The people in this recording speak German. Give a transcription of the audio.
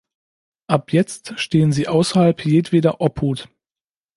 Ab jetzt stehen sie außerhalb jedweder Obhut.